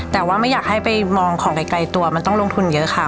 แต่ว่าไม่อยากให้ไปมองของไกลตัวมันต้องลงทุนเยอะค่ะ